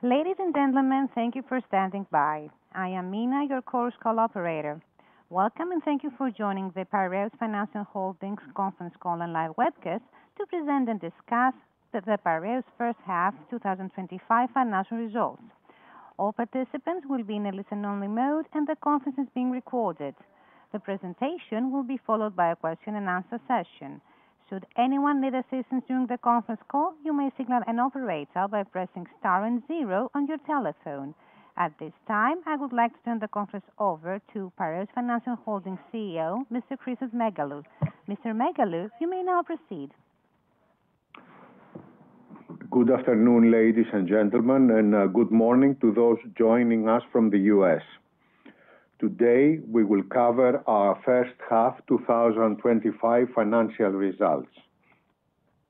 Ladies and gentlemen, thank you for standing by. I am Mina, your Chorus Call operator. Welcome and thank you for joining the Piraeus Financial Holdings conference call and live webcast to present and discuss the Piraeus First Half 2025 financial results. All participants will be in a listen-only mode, and the conference is being recorded. The presentation will be followed by a question-and-answer session. Should anyone need assistance during the conference call, you may signal an operator by pressing star and zero on your telephone. At this time, I would like to turn the conference over to Piraeus Financial Holdings CEO, Mr. Christos Megalou. Mr. Megalou, you may now proceed. Good afternoon, ladies and gentlemen, and good morning to those joining us from the U.S. Today, we will cover our first half 2025 financial results.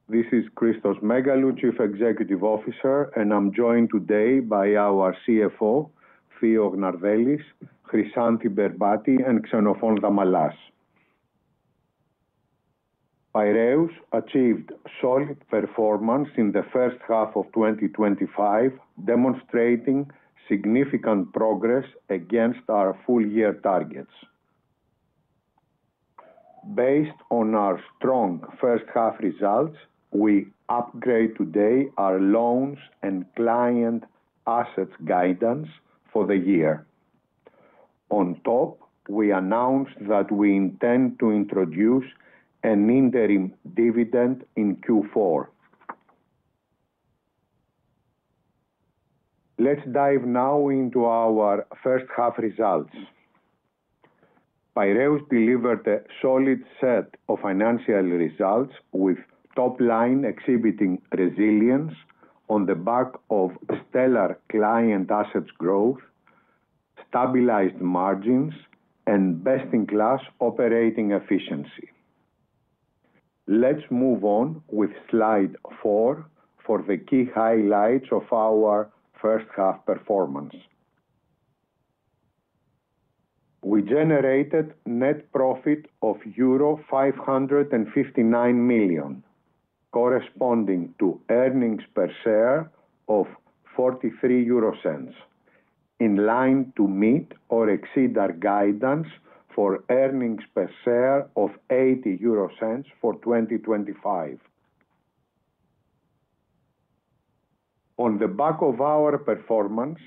This is Christos Megalou, Chief Executive Officer, and I'm joined today by our CFO, Theo Gnardellis, Chryssanthi Berbati, and Xenophon Damaslas. Piraeus achieved solid performance in the first half of 2025, demonstrating significant progress against our full-year targets. Based on our strong first-half results, we upgrade today our loans and client assets guidance for the year. On top, we announced that we intend to introduce an interim dividend in Q4. Let's dive now into our first-half results. Piraeus delivered a solid set of financial results with top-line exhibiting resilience on the back of stellar client assets growth, stabilized margins, and best-in-class operating efficiency. Let's move on with slide four for the key highlights of our first-half performance. We generated net profit of euro 559 million, corresponding to earnings per share of 0.43, in line to meet or exceed our guidance for earnings per share of 0.80 for 2025. On the back of our performance,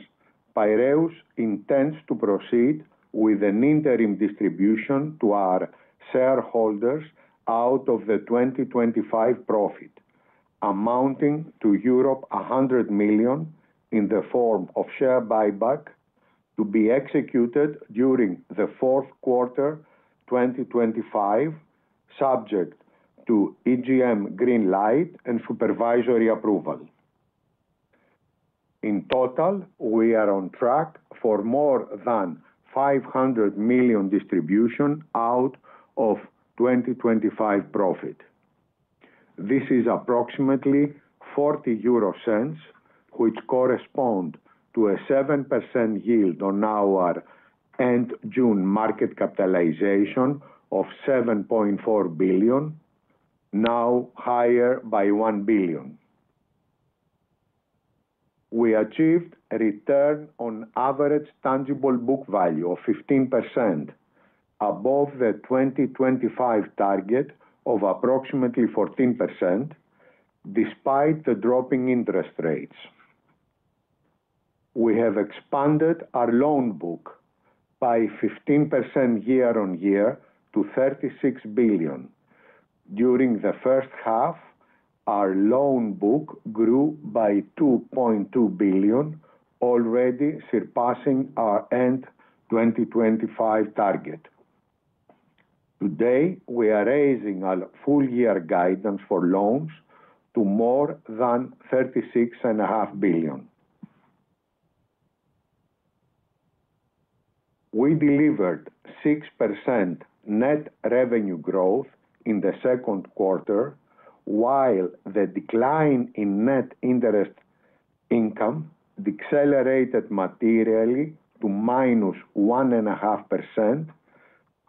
Piraeus intends to proceed with an interim distribution to our shareholders out of the 2025 profit, amounting to 100 million in the form of share buyback to be executed during the fourth quarter 2025, subject to EGM green light and supervisory approval. In total, we are on track for more than 500 million distribution out of 2025 profit. This is approximately 0.40, which corresponds to a 7% yield on our end June market capitalization of 7.4 billion, now higher by 1 billion. We achieved a return on average tangible book value of 15%, above the 2025 target of approximately 14%. Despite the dropping interest rates, we have expanded our loan book by 15% year on year to 36 billion. During the first half, our loan book grew by 2.2 billion, already surpassing our end 2025 target. Today, we are raising our full-year guidance for loans to more than EUR 36.5 billion. We delivered 6% net revenue growth in the second quarter, while the decline in net interest income decelerated materially to -1.5%,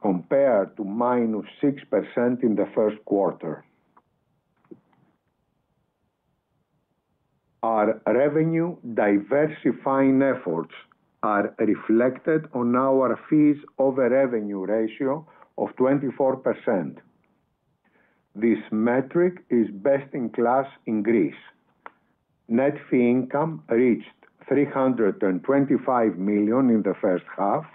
compared to -6% in the first quarter. Our revenue diversifying efforts are reflected on our fees over revenue ratio of 24%. This metric is best in class in Greece. Net fee income reached 325 million in the first half,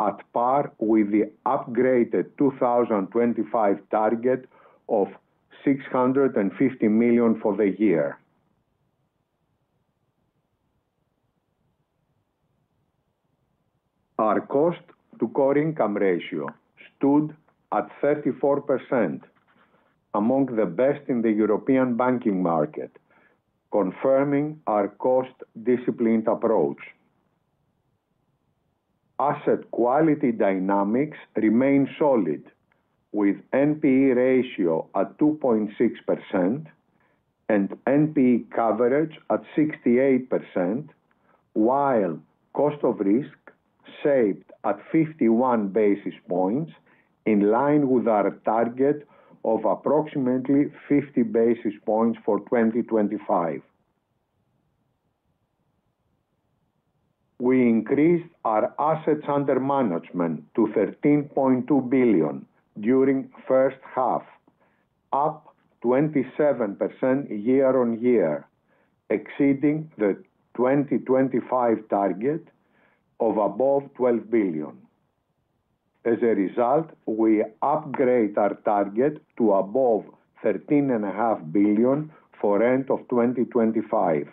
at par with the upgraded 2025 target of 650 million for the year. Our cost-to-core income ratio stood at 34%. Among the best in the European banking market. Confirming our cost-disciplined approach. Asset quality dynamics remain solid, with NPE ratio at 2.6% and NPE coverage at 68%. While cost of risk shaped at 51 basis points, in line with our target of approximately 50 basis points for 2025. We increased our assets under management to 13.2 billion during the first half, up 27% year on year, exceeding the 2025 target of above 12 billion. As a result, we upgrade our target to above 13.5 billion for end of 2025.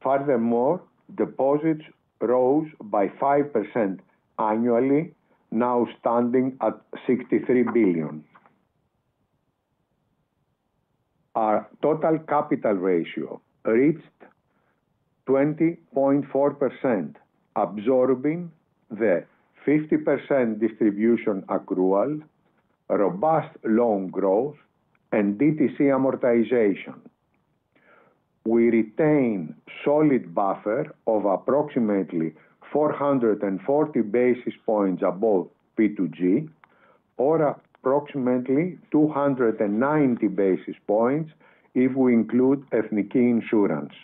Furthermore, deposits rose by 5% annually, now standing at EUR 63 billion. Our total capital ratio reached 20.4%, absorbing the 50% distribution accrual. Robust loan growth, and DTC amortization. We retain a solid buffer of approximately 440 basis points above P2G, or approximately 290 basis points if we include Ethniki Insurance.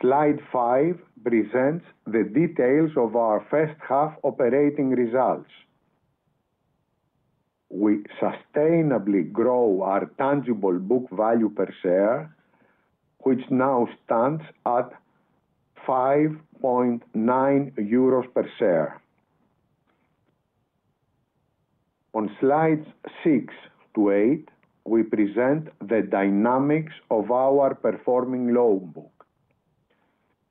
Slide five presents the details of our first-half operating results. We sustainably grow our tangible book value per share, which now stands at 5.9 euros per share. On slides six to eight, we present the dynamics of our performing loan book.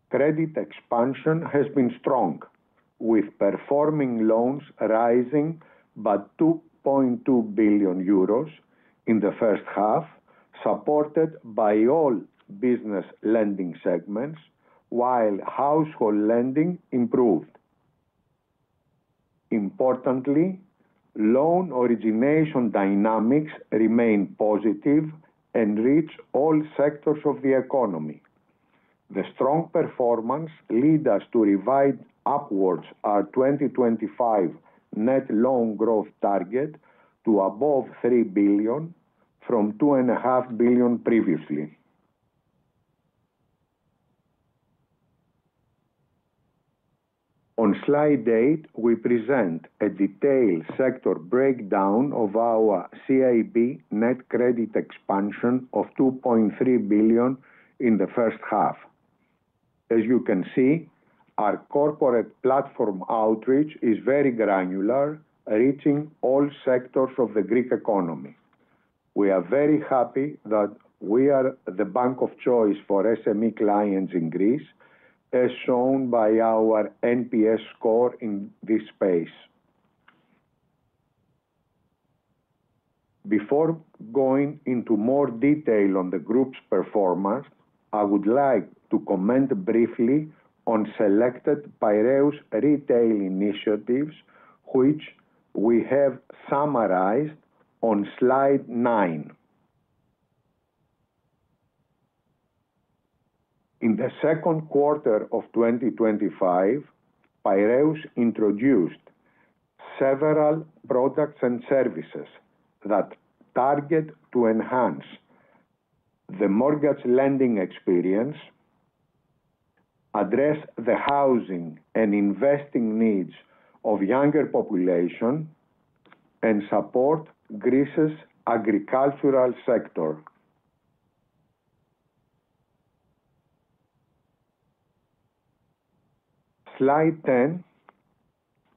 Credit expansion has been strong, with performing loans rising by 2.2 billion euros in the first half, supported by all business lending segments, while household lending improved. Importantly, loan origination dynamics remain positive and reach all sectors of the economy. The strong performance led us to revise upwards our 2025 net loan growth target to above 3 billion from 2.5 billion previously. On slide eight, we present a detailed sector breakdown of our CIB net credit expansion of 2.3 billion in the first half. As you can see, our corporate platform outreach is very granular, reaching all sectors of the Greek economy. We are very happy that we are the bank of choice for SME clients in Greece, as shown by our NPS score in this space. Before going into more detail on the group's performance, I would like to comment briefly on selected Piraeus retail initiatives, which we have summarized on slide nine. In the second quarter of 2025, Piraeus introduced several products and services that target to enhance the mortgage lending experience, address the housing and investing needs of the younger population, and support Greece's agricultural sector. Slide ten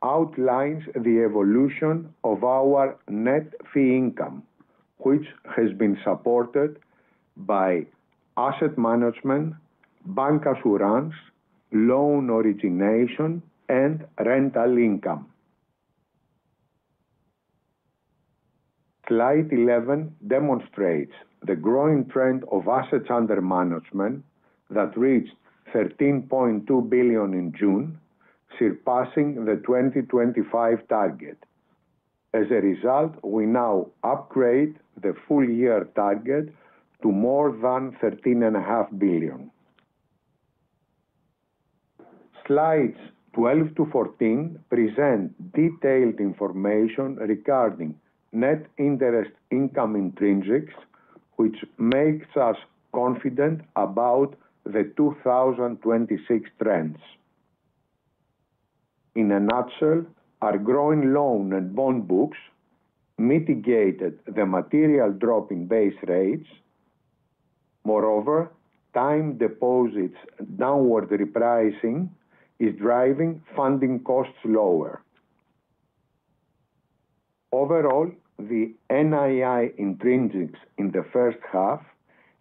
outlines the evolution of our net fee income, which has been supported by asset management, bancassurance, loan origination, and rental income. Slide eleven demonstrates the growing trend of assets under management that reached 13.2 billion in June, surpassing the 2025 target. As a result, we now upgrade the full-year target to more than 13.5 billion. Slides twelve to fourteen present detailed information regarding net interest income intrinsics, which makes us confident about the 2026 trends. In a nutshell, our growing loan and bond books mitigated the material drop in base rates. Moreover, time deposits' downward repricing is driving funding costs lower. Overall, the NII intrinsics in the first half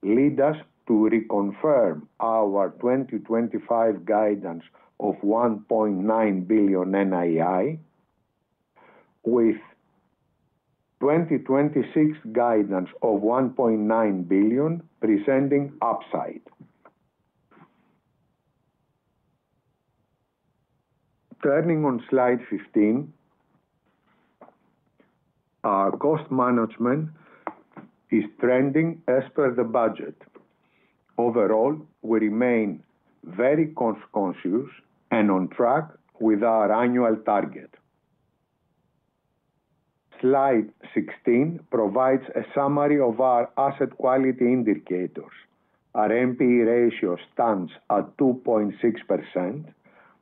lead us to reconfirm our 2025 guidance of 1.9 billion NII, with 2026 guidance of 1.9 billion presenting upside. Turning on slide fifteen, our cost management is trending as per the budget. Overall, we remain very conscientious and on track with our annual target. Slide sixteen provides a summary of our asset quality indicators. Our NPE ratio stands at 2.6%,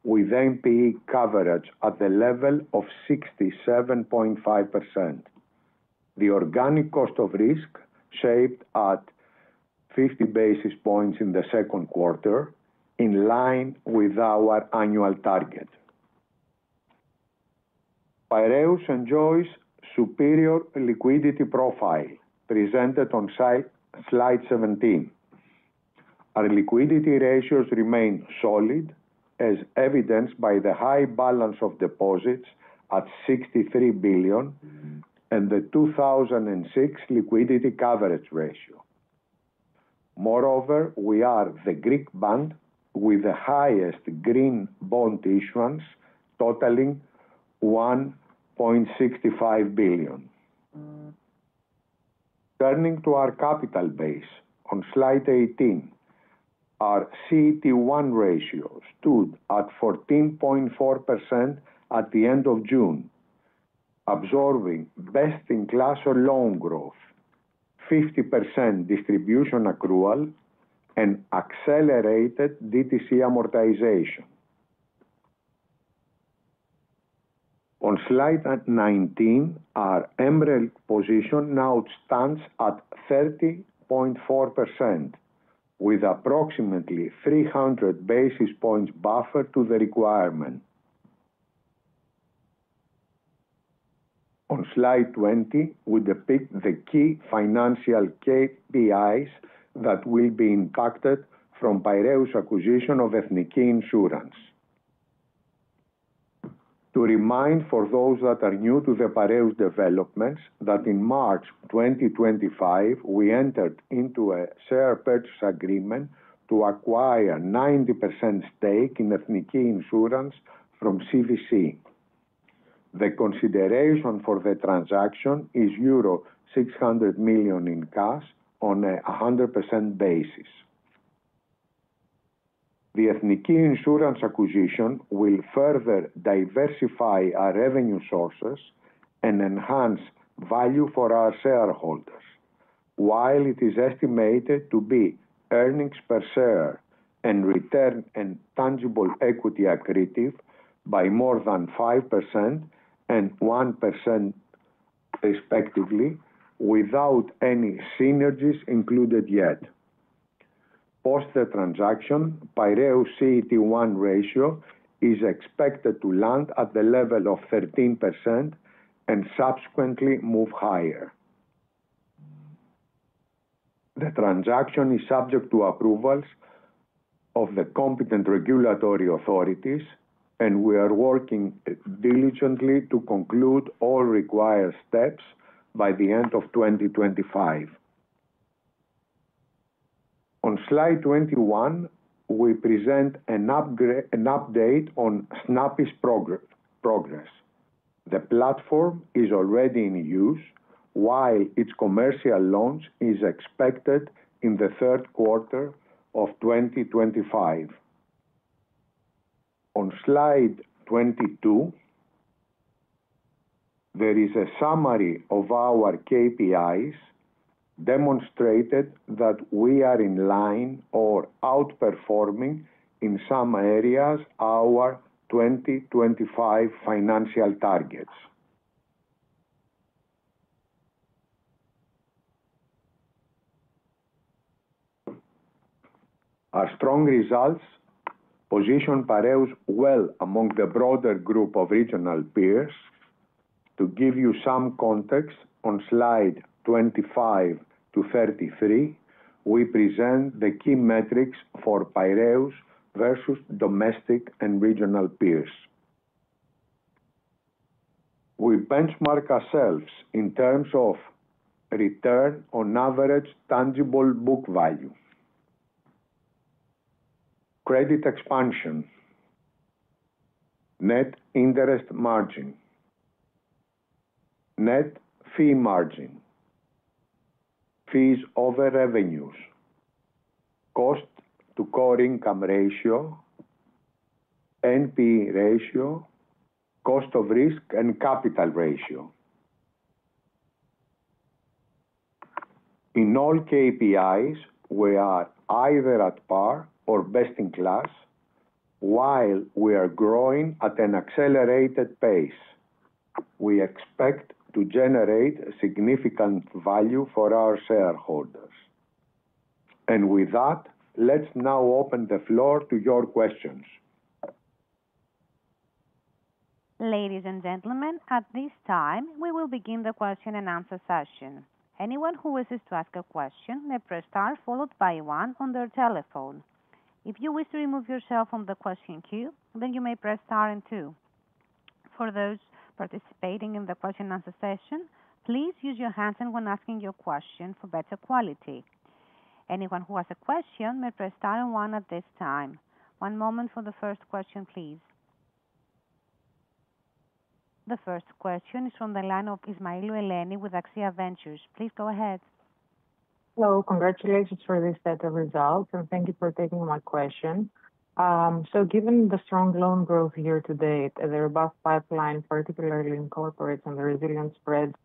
with NPE coverage at the level of 67.5%. The organic cost of risk shaped at 50 basis points in the second quarter, in line with our annual target. Piraeus enjoys a superior liquidity profile presented on slide seventeen. Our liquidity ratios remain solid, as evidenced by the high balance of deposits at 63 billion and the 2026 liquidity coverage ratio. Moreover, we are the Greek bank with the highest green bond issuance, totaling EUR 1.65 billion. Turning to our capital base, on slide eighteen, our CET1 ratio stood at 14.4% at the end of June, absorbing best-in-class loan growth, 50% distribution accrual, and accelerated DTC amortization. On slide nineteen, our Emerald position now stands at 30.4%, with approximately 300 basis points buffer to the requirement. On slide twenty, we depict the key financial KPIs that will be impacted from Piraeus' acquisition of Ethniki Insurance. To remind those that are new to the Piraeus developments that in March 2025, we entered into a share purchase agreement to acquire a 90% stake in Ethniki Insurance from CVC. The consideration for the transaction is euro 600 million in cash on a 100% basis. The Ethniki Insurance acquisition will further diversify our revenue sources and enhance value for our shareholders, while it is estimated to be earnings per share and return on tangible equity accretive by more than 5% and 1%, respectively, without any synergies included yet. Post the transaction, Piraeus' CET1 ratio is expected to land at the level of 13% and subsequently move higher. The transaction is subject to approvals of the competent regulatory authorities, and we are working diligently to conclude all required steps by the end of 2025. On slide twenty-one, we present an update on Snappi Progress. The platform is already in use, while its commercial launch is expected in the third quarter of 2025. On slide twenty-two, there is a summary of our KPIs, demonstrating that we are in line or outperforming in some areas our 2025 financial targets. Our strong results position Piraeus well among the broader group of regional peers. To give you some context, on slide twenty-five to thirty-three, we present the key metrics for Piraeus versus domestic and regional peers. We benchmark ourselves in terms of return on average tangible book value, credit expansion, net interest margin, net fee margin, fees over revenues, cost-to-core income ratio, NPE ratio, cost of risk, and capital ratio. In all KPIs, we are either at par or best in class. While we are growing at an accelerated pace, we expect to generate significant value for our shareholders. With that, let's now open the floor to your questions. Ladies and gentlemen, at this time, we will begin the question and answer session. Anyone who wishes to ask a question may press star followed by one on their telephone. If you wish to remove yourself from the question queue, then you may press star and two. For those participating in the question and answer session, please use your hands when asking your question for better quality. Anyone who has a question may press star and one at this time. One moment for the first question, please. The first question is from the line of Eleni Ismailou with AXIA Ventures. Please go ahead. Hello. Congratulations for these better results, and thank you for taking my question. Given the strong loan growth year to date, their above pipeline particularly incorporates in the resilience spread.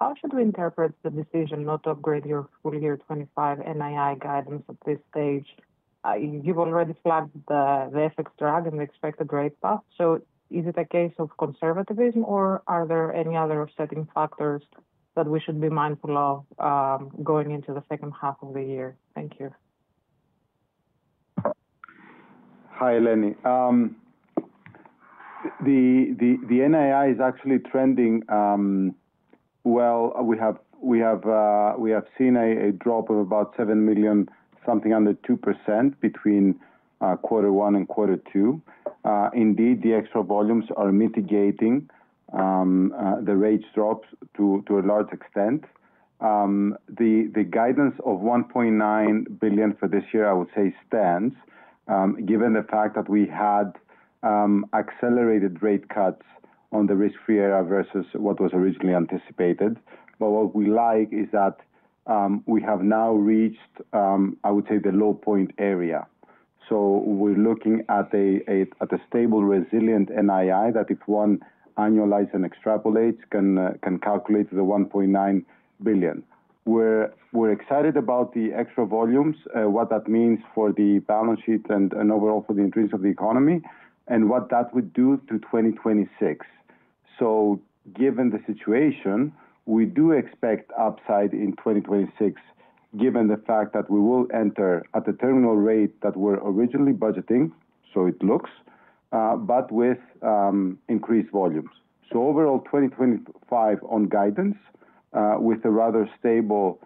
How should we interpret the decision not to upgrade your full-year 2025 NII guidance at this stage? You've already flagged the FX drag and the expected rate path. Is it a case of conservatism, or are there any other setting factors that we should be mindful of going into the second half of the year? Thank you. Hi, Eleni. The NII is actually trending. We have seen a drop of about 7 million, something under 2%, between quarter one and quarter two. Indeed, the extra volumes are mitigating the rate drops to a large extent. The guidance of 1.9 billion for this year, I would say, stands given the fact that we had accelerated rate cuts on the risk-free era versus what was originally anticipated. What we like is that we have now reached, I would say, the low point area. We are looking at a stable, resilient NII that, if one annualizes and extrapolates, can calculate to the 1.9 billion. We are excited about the extra volumes, what that means for the balance sheet and overall for the interest of the economy, and what that would do to 2026. Given the situation, we do expect upside in 2026, given the fact that we will enter at the terminal rate that we were originally budgeting, but with increased volumes. Overall, 2025 on guidance with a rather stable,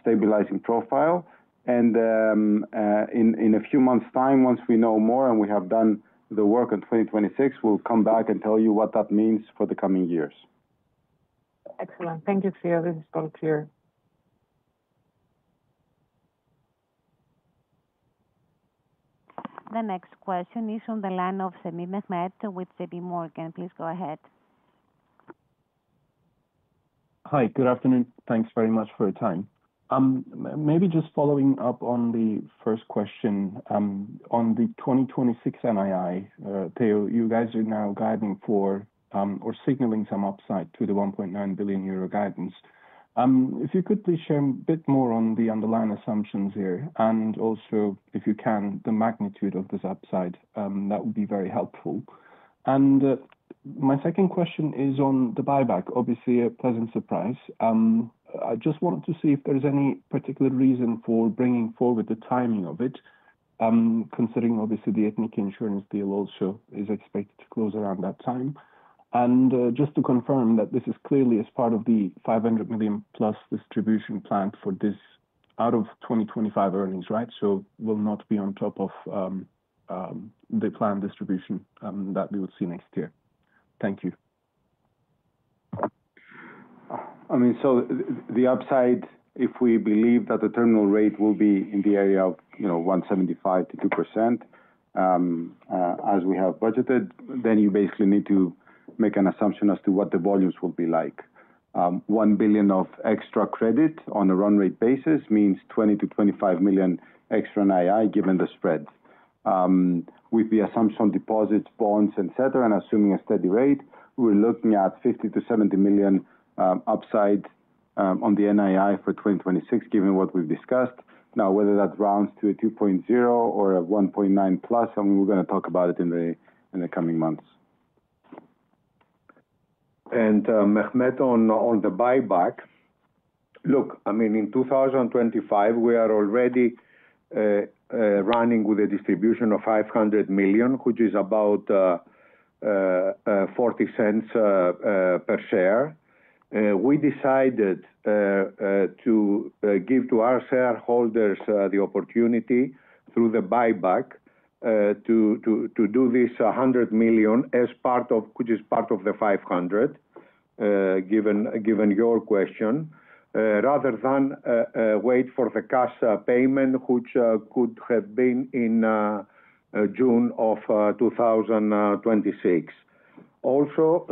stabilizing profile. In a few months' time, once we know more and we have done the work on 2026, we will come back and tell you what that means for the coming years. Excellent. Thank you, Theo. This is very clear. The next question is from the line of Sami Mehmed with JPMorgan. Please go ahead. Hi, good afternoon. Thanks very much for your time. Maybe just following up on the first question. On the 2026 NII, Theo, you guys are now guiding for or signaling some upside to the 1.9 billion euro guidance. If you could please share a bit more on the underlying assumptions here, and also, if you can, the magnitude of this upside, that would be very helpful. My second question is on the buyback, obviously a pleasant surprise. I just wanted to see if there is any particular reason for bringing forward the timing of it, considering, obviously, the Ethniki Insurance deal also is expected to close around that time. Just to confirm that this is clearly as part of the 500 million plus distribution plan for this out of 2025 earnings, right? It will not be on top of the planned distribution that we would see next year. Thank you. I mean, the upside, if we believe that the terminal rate will be in the area of 1.75%-2% as we have budgeted, then you basically need to make an assumption as to what the volumes will be like. 1 billion of extra credit on a run rate basis means 20-25 million extra NII given the spread. With the assumption on deposits, bonds, etc., and assuming a steady rate, we are looking at 50 million-70 million upside on the NII for 2026, given what we have discussed. Now, whether that rounds to a 2.0 or a 1.9+, we are going to talk about it in the coming months. Mehmed, on the buyback. Look, in 2025, we are already running with a distribution of 500 million, which is about 0.40 per share. We decided to give to our shareholders the opportunity through the buyback to do this 100 million as part of, which is part of the 500. Given your question, rather than wait for the cash payment, which could have been in June of 2026. Also,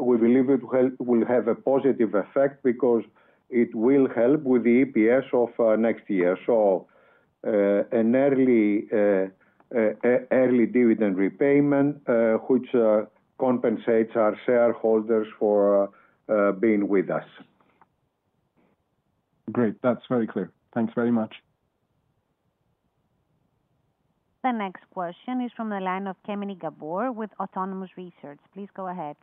we believe it will have a positive effect because it will help with the EPS of next year. An early dividend repayment, which compensates our shareholders for being with us. Great. That is very clear. Thanks very much. The next question is from the line of Gábor Kemény with Autonomous Research. Please go ahead.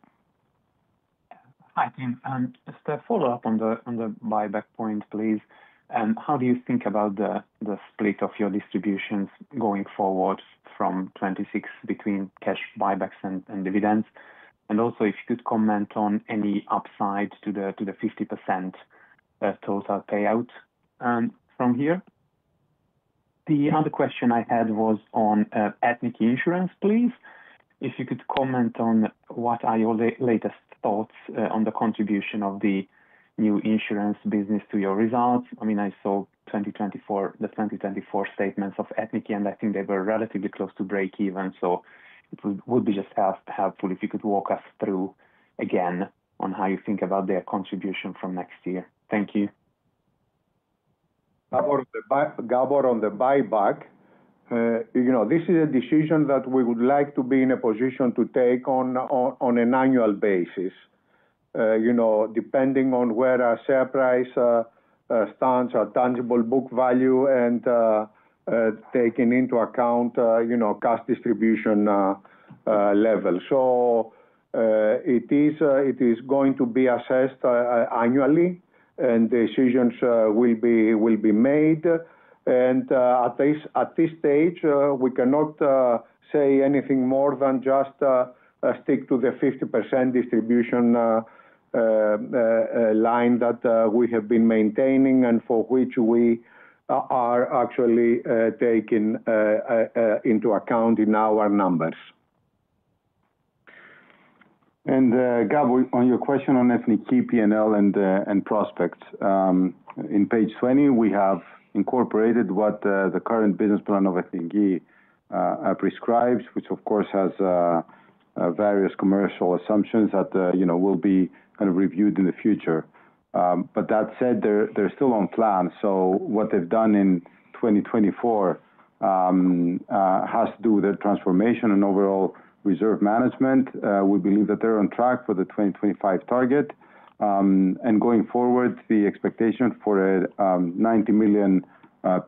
Hi, Tim. Just a follow-up on the buyback point, please. How do you think about the split of your distributions going forward from 2026 between cash buybacks and dividends? And also, if you could comment on any upside to the 50% total payout from here. The other question I had was on Ethniki Insurance, please. If you could comment on what are your latest thoughts on the contribution of the new insurance business to your results. I mean, I saw the 2024 statements of Ethniki, and I think they were relatively close to break-even. It would be just helpful if you could walk us through again on how you think about their contribution from next year. Thank you. Gábor, on the buyback. This is a decision that we would like to be in a position to take on an annual basis, depending on where our share price stands, our tangible book value, and taking into account cash distribution level. It is going to be assessed annually, and decisions will be made. At this stage, we cannot say anything more than just stick to the 50% distribution line that we have been maintaining and for which we are actually taking into account in our numbers. Gábor, on your question on Ethniki P&L and prospects. In page 20, we have incorporated what the current business plan of Ethniki prescribes, which of course has various commercial assumptions that will be kind of reviewed in the future. That said, they are still on plan. What they have done in 2024 has to do with their transformation and overall reserve management. We believe that they are on track for the 2025 target. Going forward, the expectation for a 90 million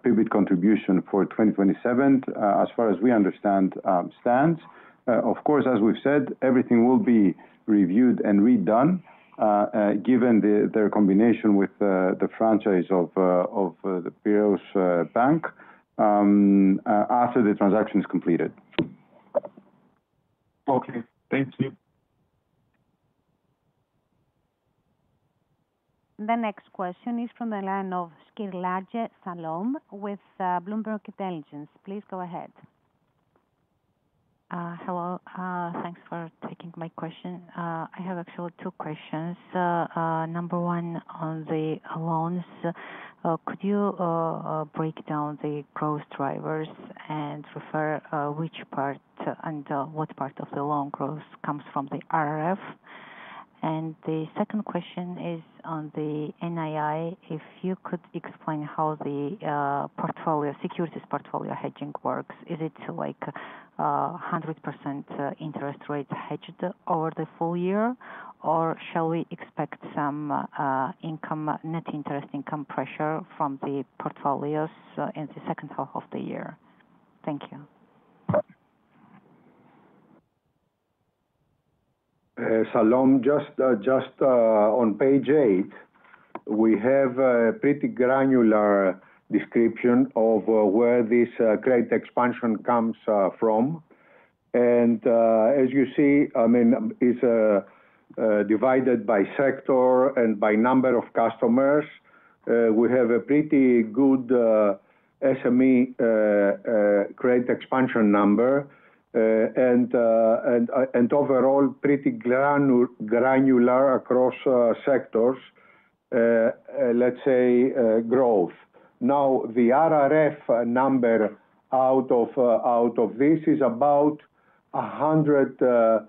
pivot contribution for 2027, as far as we understand, stands. Of course, as we have said, everything will be reviewed and redone. Given their combination with the franchise of the Piraeus Bank after the transaction is completed. Okay. Thank you. The next question is from the line of Skirlaje Salom with Bloomberg Intelligence. Please go ahead. Hello. Thanks for taking my question. I have actually two questions. Number one, on the loans. Could you break down the growth drivers and refer which part and what part of the loan growth comes from the RRF? And the second question is on the NII. If you could explain how the securities portfolio hedging works. Is it 100% interest rate hedged over the full year, or shall we expect some net interest income pressure from the portfolios in the second half of the year? Thank you. Salom, just on page eight, we have a pretty granular description of where this credit expansion comes from. As you see, I mean, it is divided by sector and by number of customers. We have a pretty good SME credit expansion number. Overall, pretty granular across sectors. Let's say growth. Now, the RRF number out of this is about 100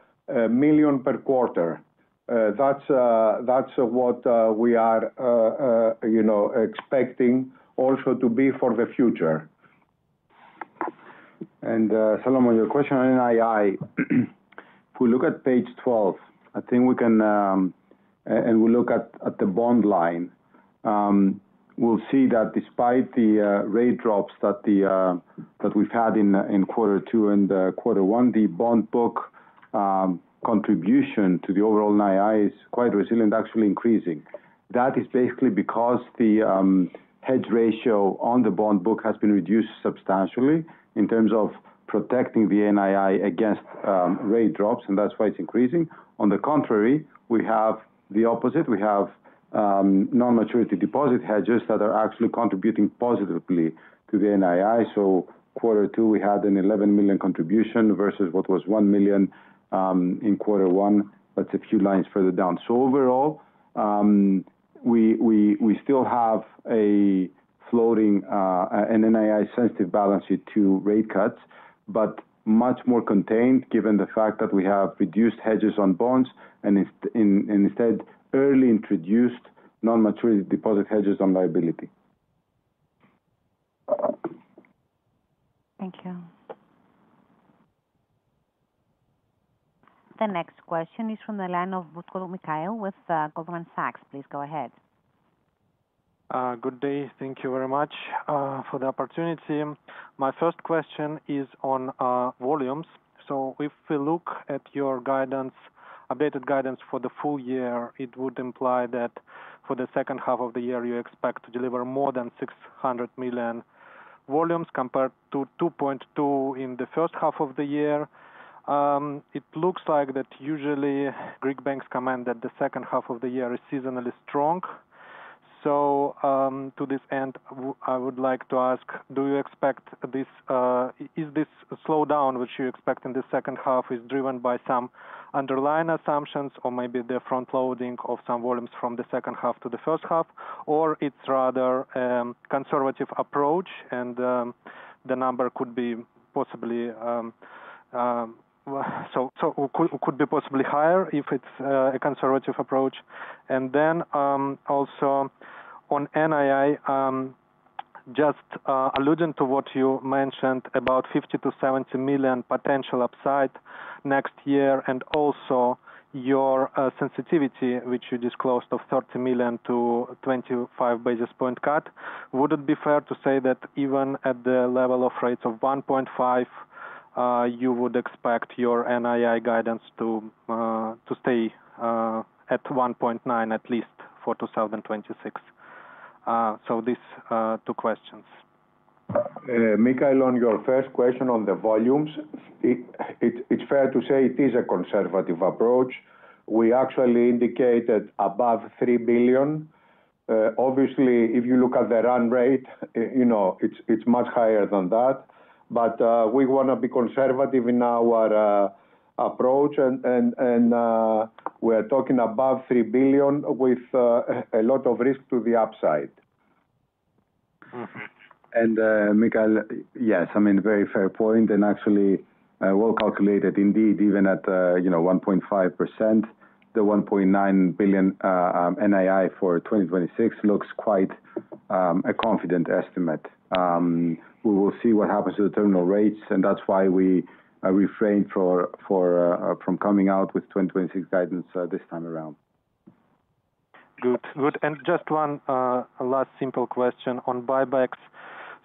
million per quarter. That is what we are expecting also to be for the future. Salom, on your question on NII. If we look at page 12, I think we can, and we look at the bond line, we will see that despite the rate drops that we have had in quarter two and quarter one, the bond book contribution to the overall NII is quite resilient, actually increasing. That is basically because the hedge ratio on the bond book has been reduced substantially in terms of protecting the NII against rate drops, and that is why it is increasing. On the contrary, we have the opposite. We have non-maturity deposit hedges that are actually contributing positively to the NII. Quarter two, we had an 11 million contribution versus what was 1 million in quarter one. That is a few lines further down. Overall, we still have an NII sensitive balance sheet to rate cuts, but much more contained given the fact that we have reduced hedges on bonds and instead early introduced non-maturity deposit hedges on liability. Thank you. The next question is from the line of Butkov Mikhail with Goldman Sachs. Please go ahead. Good day. Thank you very much for the opportunity. My first question is on volumes. If we look at your updated guidance for the full year, it would imply that for the second half of the year, you expect to deliver more than 600 million volumes compared to 2.2 in the first half of the year. It looks like that usually Greek banks comment that the second half of the year is seasonally strong. To this end, I would like to ask, do you expect this, is this slowdown which you expect in the second half driven by some underlying assumptions or maybe the front-loading of some volumes from the second half to the first half, or it's rather a conservative approach. The number could be possibly higher if it's a conservative approach? Also, on NII, just alluding to what you mentioned about 50 million-70 million potential upside next year and also your sensitivity, which you disclosed of 30 million to 25 basis point cut, would it be fair to say that even at the level of rates of 1.5%, you would expect your NII guidance to stay at 1.9 billion at least for 2026? These two questions. Mikael, on your first question on the volumes, it's fair to say it is a conservative approach. We actually indicated above 3 billion. Obviously, if you look at the run rate, it's much higher than that. We want to be conservative in our approach. We are talking above 3 billion with a lot of risk to the upside. Mikhail yes, I mean, very fair point. Actually, well calculated indeed. Even at 1.5%, the 1.9 billion NII for 2026 looks quite a confident estimate. We will see what happens to the terminal rates, and that's why we refrain from coming out with 2026 guidance this time around. Good. Good. Just one last simple question on buybacks.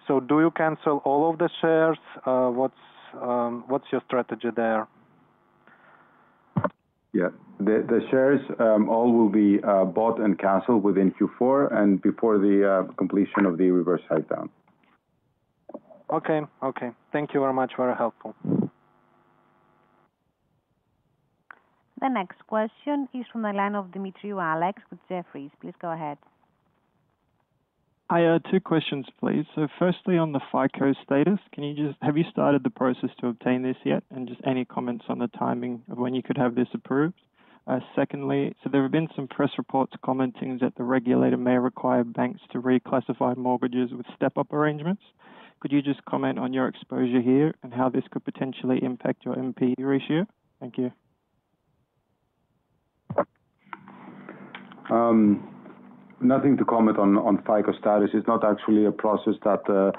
Do you cancel all of the shares? What's your strategy there? Yeah. The shares all will be bought and canceled within Q4 and before the completion of the reverse write-down. Okay. Okay. Thank you very much. Very helpful. The next question is from the line of Alex Demetriou with Jefferies. Please go ahead. Hi. Two questions, please. Firstly, on the FICO status, have you started the process to obtain this yet? Any comments on the timing of when you could have this approved? Secondly, there have been some press reports commenting that the regulator may require banks to reclassify mortgages with step-up arrangements. Could you just comment on your exposure here and how this could potentially impact your NPE ratio? Thank you. Nothing to comment on FICO status. It's not actually a process that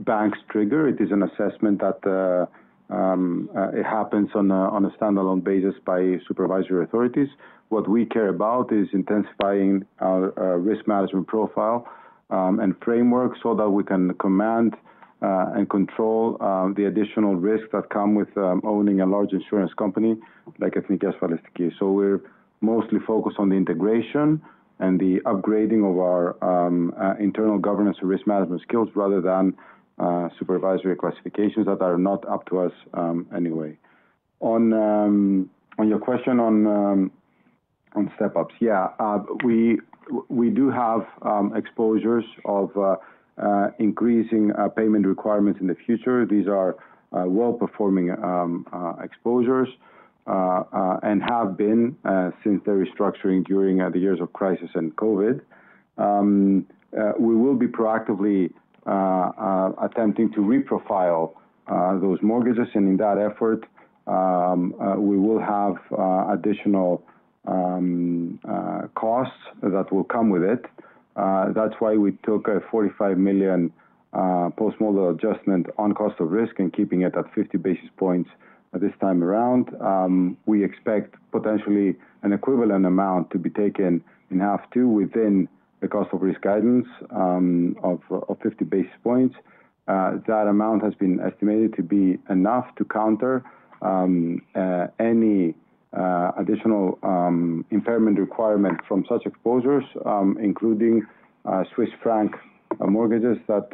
banks trigger. It is an assessment that happens on a standalone basis by supervisory authorities. What we care about is intensifying our risk management profile and framework so that we can command. Control the additional risks that come with owning a large insurance company like Ethniki Insurance. We are mostly focused on the integration and the upgrading of our internal governance and risk management skills rather than supervisory classifications that are not up to us anyway. On your question on step-ups, yeah. We do have exposures of increasing payment requirements in the future. These are well-performing exposures and have been since the restructuring during the years of crisis and COVID. We will be proactively attempting to reprofile those mortgages, and in that effort, we will have additional costs that will come with it. That is why we took a 45 million post-mortem adjustment on cost of risk and are keeping it at 50 basis points this time around. We expect potentially an equivalent amount to be taken in half two within the cost of risk guidance of 50 basis points. That amount has been estimated to be enough to counter any additional impairment requirement from such exposures, including Swiss franc mortgages that,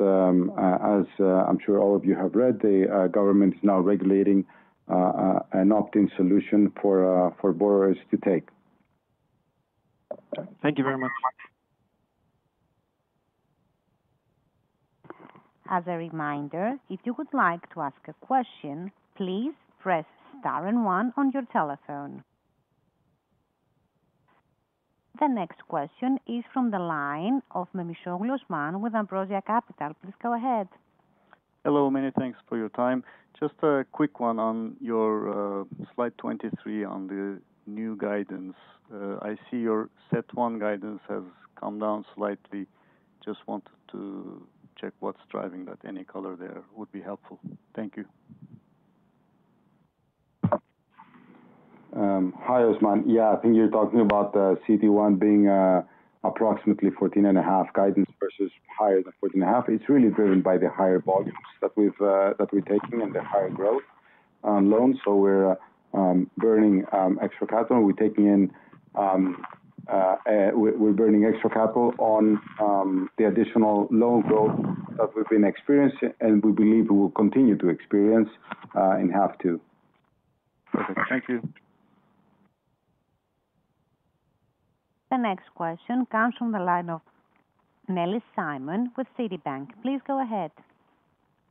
as I am sure all of you have read, the government is now regulating an opt-in solution for borrowers to take. Thank you very much. As a reminder, if you would like to ask a question, please press star and one on your telephone. The next question is from the line of Memişoğlu Osman with Ambrosia Capital. Please go ahead. Hello. Many thanks for your time. Just a quick one on your slide 23 on the new guidance. I see your CET1 guidance has come down slightly. Just wanted to check what is driving that. Any color there would be helpful. Thank you. Hi, Osman. Yeah. I think you are talking about CET1 being approximately 14.5 guidance versus higher than 14.5. It is really driven by the higher volumes that we are taking and the higher growth on loans. We are burning extra capital. We are burning extra capital on the additional loan growth that we have been experiencing, and we believe we will continue to experience in half two. Perfect. Thank you. The next question comes from the line of Nelly Simon with Citibank. Please go ahead.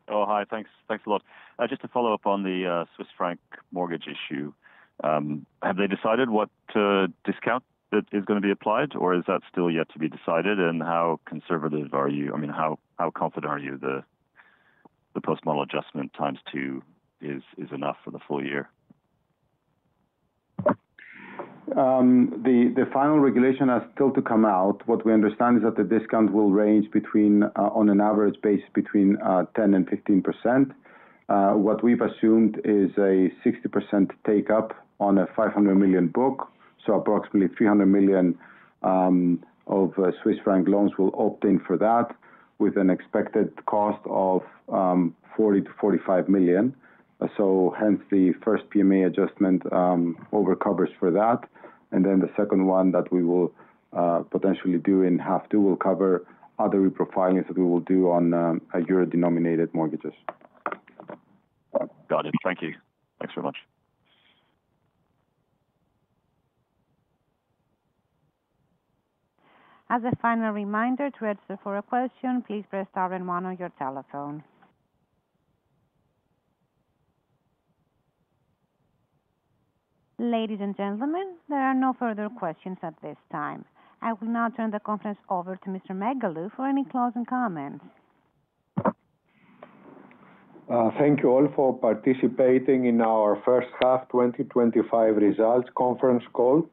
Oh, hi. Thanks. Thanks a lot. Just to follow up on the Swiss franc mortgage issue. Have they decided what discount that is going to be applied, or is that still yet to be decided? And how conservative are you? I mean, how confident are you the post-mortem adjustment times two is enough for the full year? The final regulation has still to come out. What we understand is that the discount will range on an average base between 10% and 15%. What we've assumed is a 60% take-up on a 500 million book. So, approximately 300 million of Swiss franc loans will opt in for that with an expected cost of 40 million-45 million. Hence, the first PMA adjustment overcovers for that. The second one that we will potentially do in half two will cover other reprofilings that we will do on euro-denominated mortgages. Got it. Thank you. Thanks very much. As a final reminder to register for a question, please press star and one on your telephone. Ladies and gentlemen, there are no further questions at this time. I will now turn the conference over to Mr. Megalou for any closing comments. Thank you all for participating in our first half 2025 results conference call.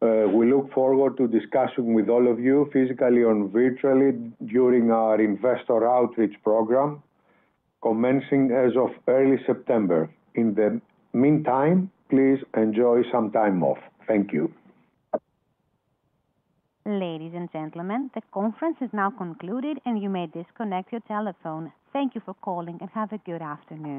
We look forward to discussing with all of you physically and virtually during our investor outreach program commencing as of early September. In the meantime, please enjoy some time off. Thank you. Ladies and gentlemen, the conference is now concluded, and you may disconnect your telephone. Thank you for calling, and have a good afternoon.